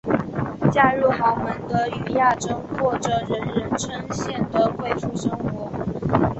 嫁入豪门的禹雅珍过着人人称羡的贵妇生活。